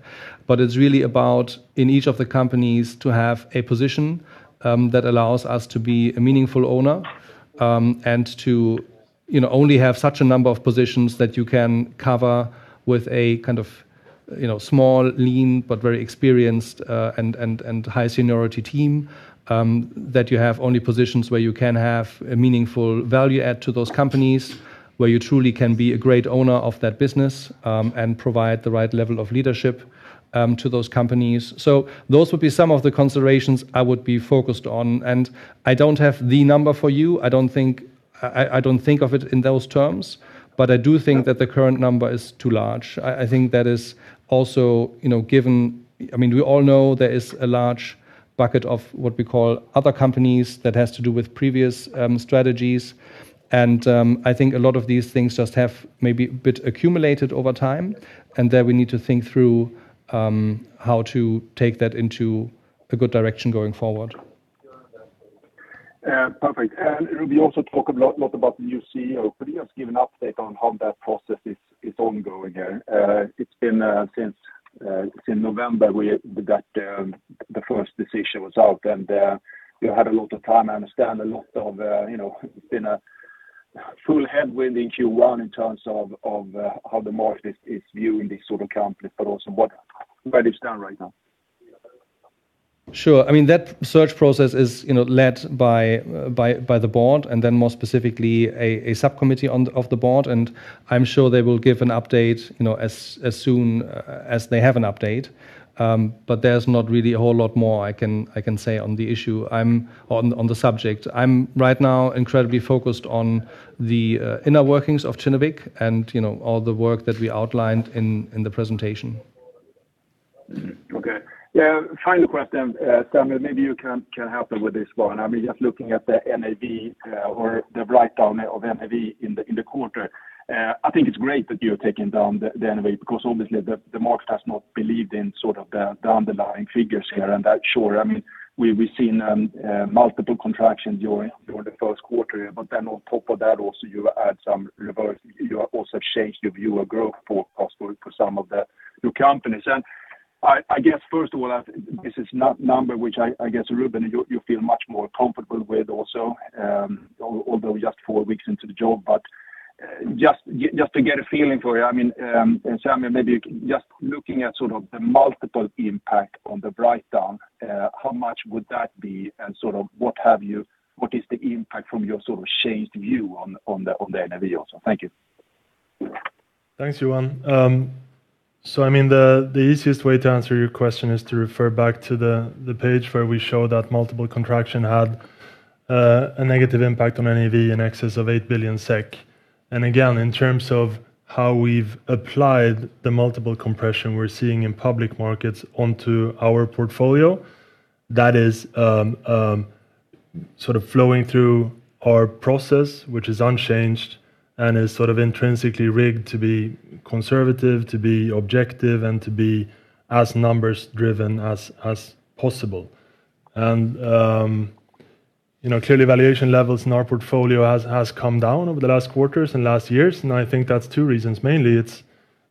It's really about in each of the companies to have a position that allows us to be a meaningful owner and to only have such a number of positions that you can cover with a kind of small, lean, but very experienced and high seniority team, that you have only positions where you can have a meaningful value add to those companies, where you truly can be a great owner of that business and provide the right level of leadership to those companies. Those would be some of the considerations I would be focused on, and I don't have the number for you. I don't think of it in those terms, but I do think that the current number is too large. I mean, we all know there is a large bucket of what we call other companies that has to do with previous strategies. I think a lot of these things just have maybe a bit accumulated over time, and there we need to think through how to take that into a good direction going forward. Yeah. Perfect. Rubin, you also talk a lot about the new CEO. Could you just give an update on how that process is ongoing? It's been since November that the first decision was out, and you had a lot of time. I understand a lot of, it's been a full headwind in Q1 in terms of how the market is viewing these sort of companies, but also where it's done right now. Sure. That search process is led by the board and then more specifically, a subcommittee of the board, and I'm sure they will give an update as soon as they have an update. There's not really a whole lot more I can say on the subject. I'm right now incredibly focused on the inner workings of Kinnevik and all the work that we outlined in the presentation. Okay. Yeah. Final question. Samuel, maybe you can help me with this one. Just looking at the NAV or the write-down of NAV in the quarter. I think it's great that you have taken down the NAV because obviously the market has not believed in sort of the underlying figures here, and that's sure. We've seen multiple contractions during the first quarter here, but then on top of that, also you add some adverse. You have also changed your view of growth forecast for some of the new companies. I guess first of all, this is number which I guess, Rubin, you feel much more comfortable with also, although just four weeks into the job, but just to get a feeling for you. Samuel, maybe just looking at sort of the multiple impact on the write-down, how much would that be, and what is the impact from your sort of changed view on the NAV also? Thank you. Thanks, Johan. The easiest way to answer your question is to refer back to the page where we show that multiple contraction had a negative impact on NAV in excess of 8 billion SEK. Again, in terms of how we've applied the multiple compression we're seeing in public markets onto our portfolio, that is sort of flowing through our process, which is unchanged and is intrinsically rigged to be conservative, to be objective, and to be as numbers-driven as possible. Clearly valuation levels in our portfolio has come down over the last quarters and last years. I think that's two reasons. Mainly it's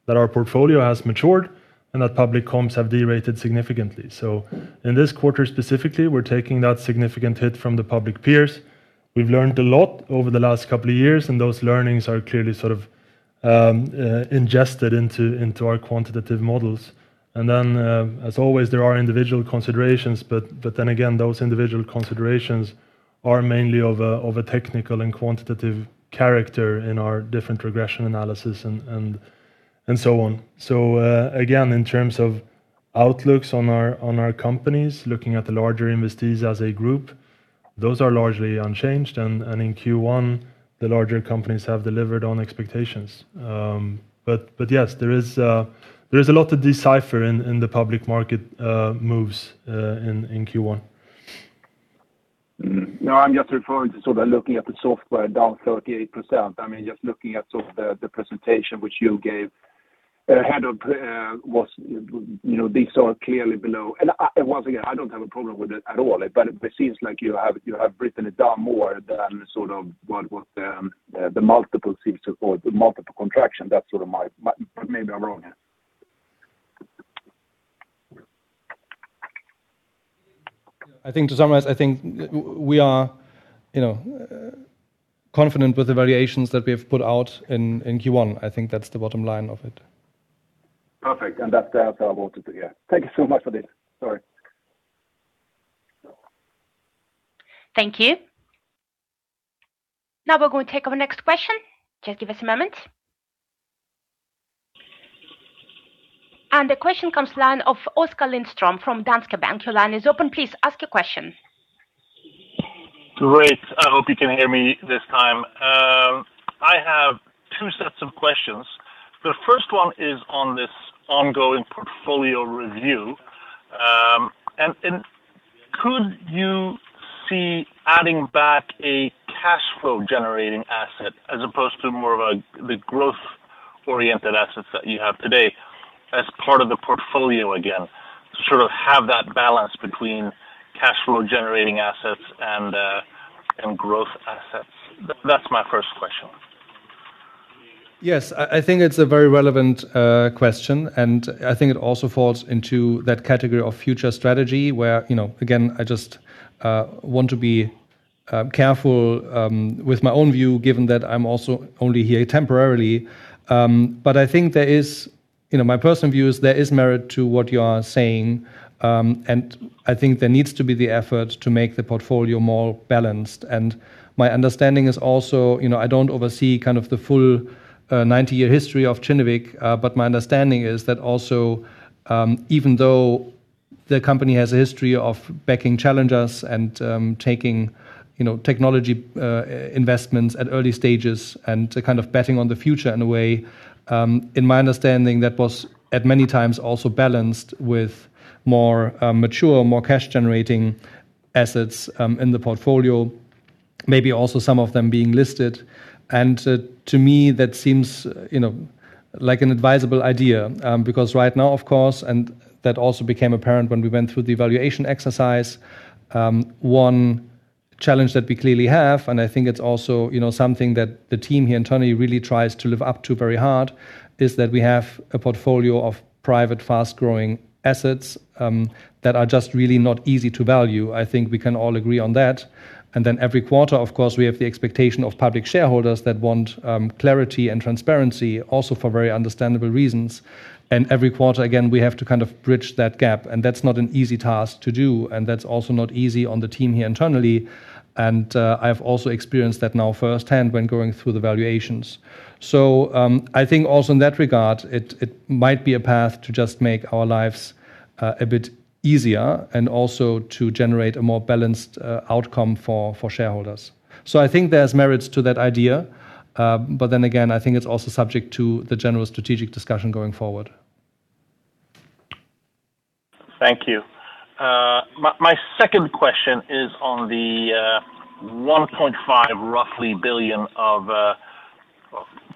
that our portfolio has matured and that public comps have derated significantly. In this quarter specifically, we're taking that significant hit from the public peers. We've learned a lot over the last couple of years, and those learnings are clearly ingested into our quantitative models. As always, there are individual considerations, but then again, those individual considerations are mainly of a technical and quantitative character in our different regression analysis and so on. Again, in terms of outlooks on our companies, looking at the larger investees as a group, those are largely unchanged. In Q1, the larger companies have delivered on expectations. Yes, there is a lot to decipher in the public market moves in Q1. No, I'm just referring to looking at the software down 38%. Just looking at the presentation which you gave ahead of. These are clearly below. Once again, I don't have a problem with it at all, but it seems like you have written it down more than what the multiple seems to, or the multiple contraction. That's my. But maybe I'm wrong here. To summarize, I think we are confident with the valuations that we have put out in Q1. I think that's the bottom line of it. Perfect. That's helpful to hear. Thank you so much for this. Sorry. Thank you. Now we're going to take our next question. Just give us a moment. The question comes then of Oskar Lindström from Danske Bank. Your line is open. Please ask your question. Great. I hope you can hear me this time. I have two sets of questions. The first one is on this ongoing portfolio review. Could you see adding back a cash flow-generating asset as opposed to more of the growth-oriented assets that you have today as part of the portfolio again, to sort of have that balance between cash flow-generating assets and growth assets? That's my first question. Yes. I think it's a very relevant question, and I think it also falls into that category of future strategy where, again, I just want to be careful with my own view, given that I'm also only here temporarily. I think. My personal view is there is merit to what you are saying, and I think there needs to be the effort to make the portfolio more balanced. My understanding is also, I don't oversee kind of the full 90-year history of Kinnevik, but my understanding is that also, even though the company has a history of backing challengers and taking technology investments at early stages and kind of betting on the future in a way, in my understanding, that was at many times also balanced with more mature, more cash-generating assets in the portfolio, maybe also some of them being listed. To me, that seems like an advisable idea. Because right now, of course, and that also became apparent when we went through the valuation exercise, one challenge that we clearly have, and I think it's also something that the team here internally really tries to live up to very hard, is that we have a portfolio of private, fast-growing assets that are just really not easy to value. I think we can all agree on that. Then every quarter, of course, we have the expectation of public shareholders that want clarity and transparency also for very understandable reasons. Every quarter, again, we have to bridge that gap, and that's not an easy task to do. That's also not easy on the team here internally. I've also experienced that now firsthand when going through the valuations. I think also in that regard, it might be a path to just make our lives a bit easier and also to generate a more balanced outcome for shareholders. I think there's merits to that idea. Then again, I think it's also subject to the general strategic discussion going forward. Thank you. My second question is on the roughly 1.5 billion of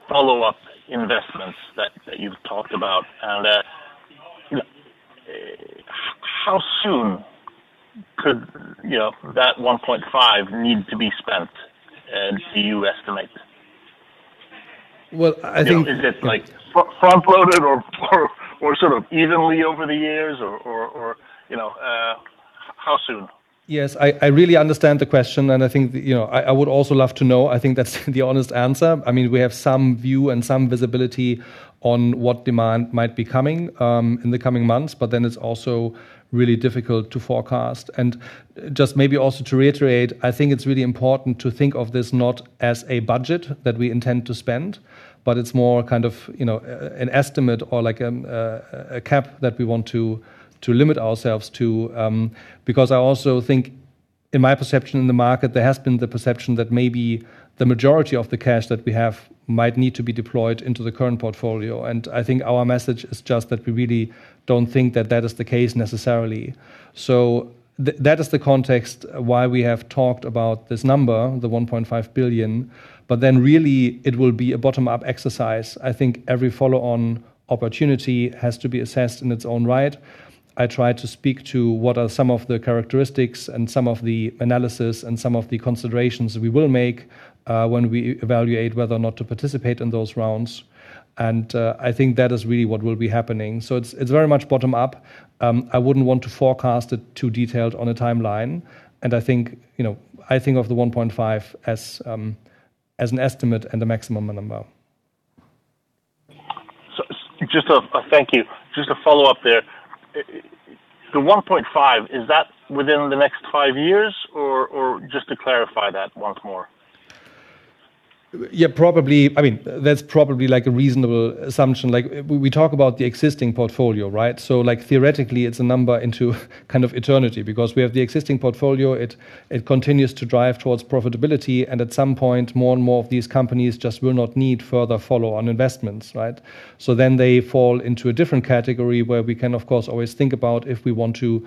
follow-up investments that you've talked about, and how soon could that 1.5 billion need to be spent, do you estimate? Well, I think. Is it front-loaded or sort of evenly over the years or how soon? Yes. I really understand the question, and I think I would also love to know. I think that's the honest answer. We have some view and some visibility on what demand might be coming in the coming months, but then it's also really difficult to forecast. Just maybe also to reiterate, I think it's really important to think of this not as a budget that we intend to spend, but it's more kind of an estimate or a cap that we want to limit ourselves to. Because I also think. In my perception in the market, there has been the perception that maybe the majority of the cash that we have might need to be deployed into the current portfolio. I think our message is just that we really don't think that that is the case necessarily. That is the context why we have talked about this number, the $1.5 billion, but then really it will be a bottom-up exercise. I think every follow-on opportunity has to be assessed in its own right. I tried to speak to what are some of the characteristics and some of the analysis and some of the considerations we will make when we evaluate whether or not to participate in those rounds. I think that is really what will be happening. It's very much bottom-up. I wouldn't want to forecast it too detailed on a timeline. I think of the 1.5 as an estimate and a maximum number. Thank you. Just a follow-up there. The 1.5, is that within the next five years? Or just to clarify that once more. Yeah, that's probably a reasonable assumption. We talk about the existing portfolio, right? Theoretically, it's a number into kind of eternity because we have the existing portfolio, it continues to drive towards profitability, and at some point, more and more of these companies just will not need further follow-on investments, right? Then they fall into a different category, where we can, of course, always think about if we want to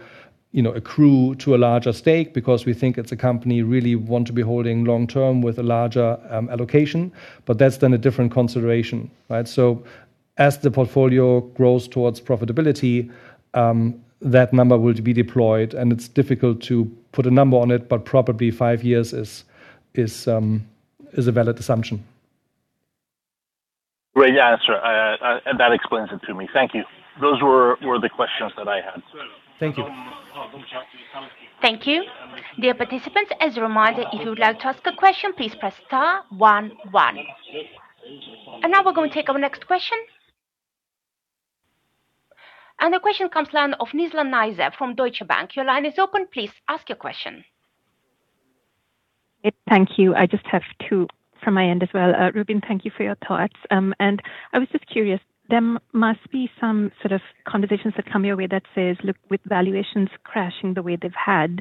accrue to a larger stake because we think it's a company really want to be holding long-term with a larger allocation. That's then a different consideration, right? As the portfolio grows towards profitability, that number will be deployed, and it's difficult to put a number on it, but probably five years is a valid assumption. Great answer. That explains it to me. Thank you. Those were the questions that I had. Thank you. Thank you. Dear participants, as a reminder, if you would like to ask a question, please press star one one. Now we're going to take our next question. The question comes from Nizla Naizer of Deutsche Bank. Your line is open. Please ask your question. Thank you. I just have two from my end as well. Rubin, thank you for your thoughts. I was just curious, there must be some sort of conversations that come your way that says, look, with valuations crashing the way they've had,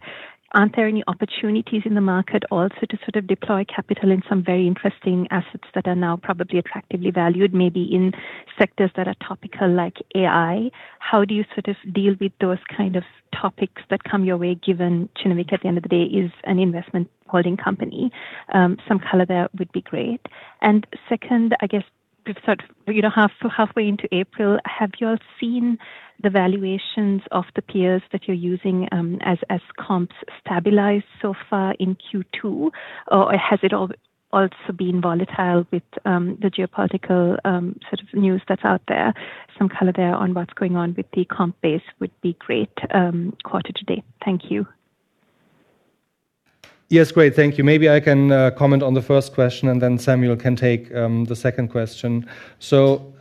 aren't there any opportunities in the market also to sort of deploy capital in some very interesting assets that are now probably attractively valued, maybe in sectors that are topical, like AI? How do you sort of deal with those kind of topics that come your way, given Kinnevik at the end of the day is an investment holding company? Some color there would be great. Second, I guess, halfway into April, have you all seen the valuations of the peers that you're using as comps stabilize so far in Q2? Or has it also been volatile with the geopolitical news that's out there? Some color there on what's going on with the comp base would be great, quarter to date. Thank you. Yes, great. Thank you. Maybe I can comment on the first question, and then Samuel can take the second question.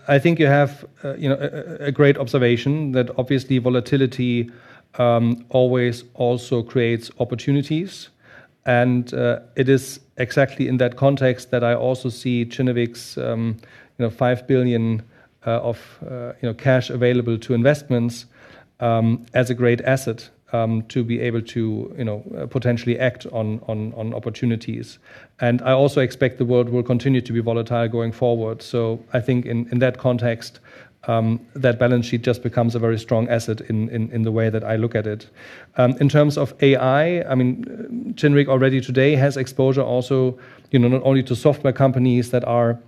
I think you have a great observation that obviously volatility always also creates opportunities. It is exactly in that context that I also see Kinnevik's $5 billion of cash available to investments as a great asset to be able to potentially act on opportunities. I also expect the world will continue to be volatile going forward. I think in that context, that balance sheet just becomes a very strong asset in the way that I look at it. In terms of AI, Kinnevik already today has exposure also not only to software companies that are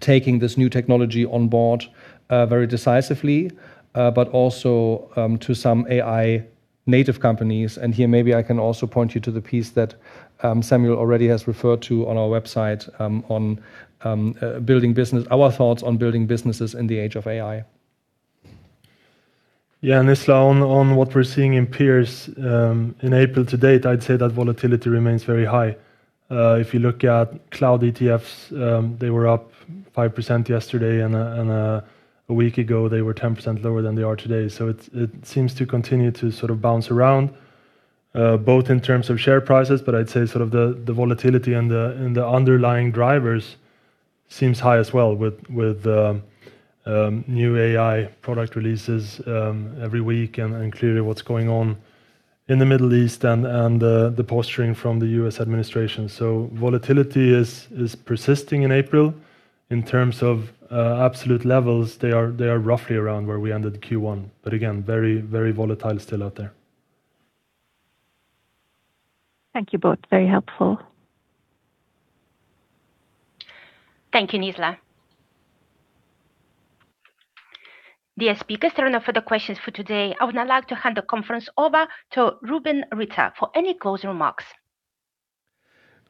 taking this new technology on board very decisively, but also to some AI native companies. Here, maybe I can also point you to the piece that Samuel already has referred to on our website on our thoughts on building businesses in the age of AI. Yeah, Nizla, on what we're seeing in peers in April to date, I'd say that volatility remains very high. If you look at cloud ETFs, they were up 5% yesterday, and a week ago, they were 10% lower than they are today. It seems to continue to bounce around, both in terms of share prices, but I'd say the volatility and the underlying drivers seems high as well with new AI product releases every week and clearly what's going on in the Middle East and the posturing from the U.S. administration. Volatility is persisting in April. In terms of absolute levels, they are roughly around where we ended Q1. Again, very volatile still out there. Thank you both. Very helpful. Thank you, Nizla. Dear speakers, there are no further questions for today. I would now like to hand the conference over to Rubin Ritter for any closing remarks.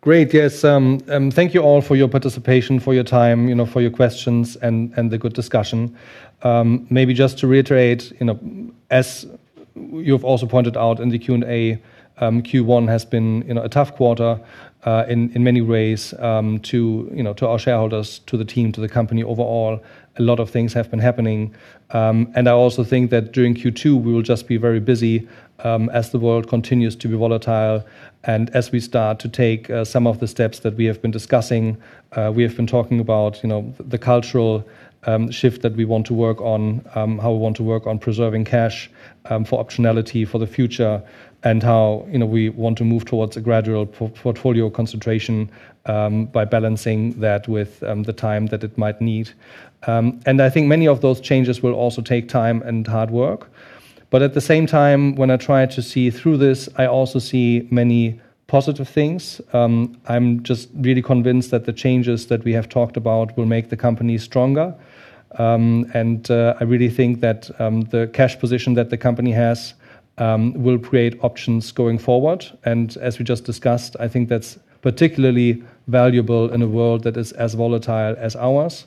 Great. Yes. Thank you all for your participation, for your time, for your questions, and the good discussion. Maybe just to reiterate, as you've also pointed out in the Q&A, Q1 has been a tough quarter in many ways to our shareholders, to the team, to the company overall. A lot of things have been happening. I also think that during Q2, we will just be very busy as the world continues to be volatile and as we start to take some of the steps that we have been discussing. We have been talking about the cultural shift that we want to work on, how we want to work on preserving cash for optionality for the future, and how we want to move towards a gradual portfolio concentration by balancing that with the time that it might need. I think many of those changes will also take time and hard work. At the same time, when I try to see through this, I also see many positive things. I'm just really convinced that the changes that we have talked about will make the company stronger. I really think that the cash position that the company has will create options going forward. As we just discussed, I think that's particularly valuable in a world that is as volatile as ours.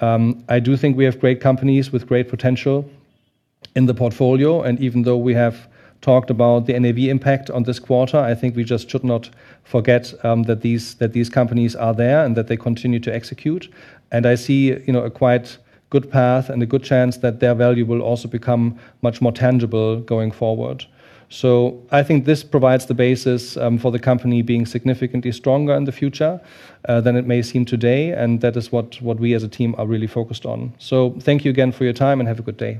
I do think we have great companies with great potential in the portfolio, and even though we have talked about the NAV impact on this quarter, I think we just should not forget that these companies are there and that they continue to execute. I see a quite good path and a good chance that their value will also become much more tangible going forward. I think this provides the basis for the company being significantly stronger in the future than it may seem today, and that is what we as a team are really focused on. Thank you again for your time, and have a good day.